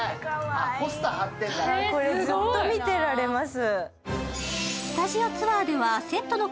これ、ずっと見てられます。